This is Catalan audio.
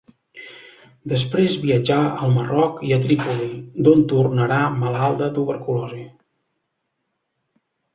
Després viatjà al Marroc i a Trípoli, d'on tornarà malalt de tuberculosi.